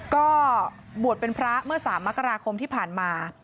ก็บวชเป็นพระเมื่อ๓มกราคมที่ผ่านมา